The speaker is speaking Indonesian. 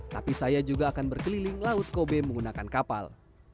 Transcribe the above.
tapi saya juga akan berkeliling laut kobe menggunakan kapal